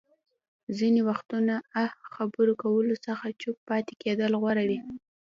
ځينې وختونه اه خبرو کولو څخه چوپ پاتې کېدل غوره وي.